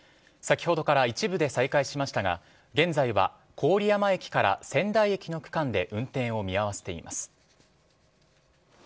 先ほどから一部で再開しましたが現在は郡山駅から仙台駅の区間で運転を見合わせています。